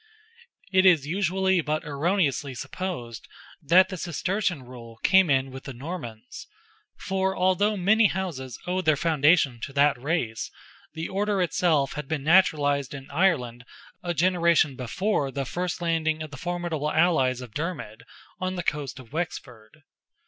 It is usually but erroneously supposed that the Cistercian rule came in with the Normans; for although many houses owed their foundation to that race, the order itself had been naturalized in Ireland a generation before the first landing of the formidable allies of Dermid on the coast of Wexford.